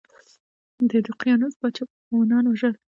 د دقیانوس پاچا به مومنان وژل.